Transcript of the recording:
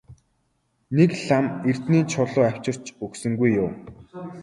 Нэг лам эрдэнийн чулуу авчирч өгсөнгүй юу?